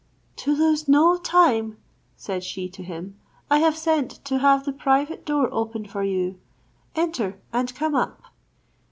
"To lose no time," said she to him, "I have sent to have the private door opened for you; enter, and come up."